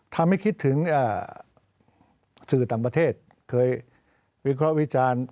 ทำให้คิดถึงสื่อต่างประเทศเคยวิเคราะห์วิจารณ์